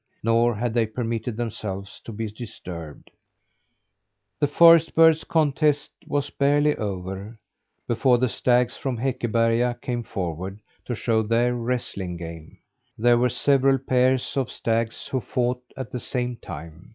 Nor had they permitted themselves to be disturbed. The forest birds' contest was barely over, before the stags from Häckeberga came forward to show their wrestling game. There were several pairs of stags who fought at the same time.